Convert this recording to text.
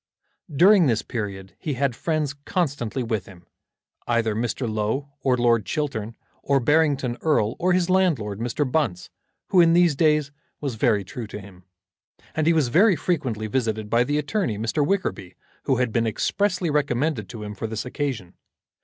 During this period he had friends constantly with him, either Mr. Low, or Lord Chiltern, or Barrington Erle, or his landlord, Mr. Bunce, who, in these days, was very true to him. And he was very frequently visited by the attorney, Mr. Wickerby, who had been expressly recommended to him for this occasion.